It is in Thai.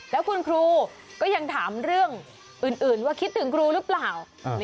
แล้วคุณครูก็ยังถามเรื่องอื่นว่าคิดถึงครูหรือเปล่า